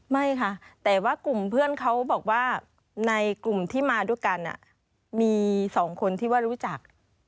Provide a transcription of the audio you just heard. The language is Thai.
ไม่ค่ะแต่ว่ากลุ่มเพื่อนเขาบอกว่าในกลุ่มที่มาด้วยกันมี๒คนที่ว่ารู้จัก